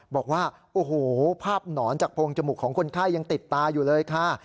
บอกว่าโอ้โหภาพหนอนจากโพงจมูกของคนไข้ยังติดตาอยู่เลยค่ะ